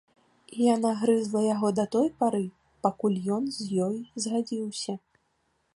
- І яна грызла яго да той пары, пакуль ён з ёй згадзіўся